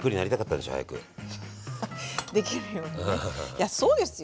いやそうですよ。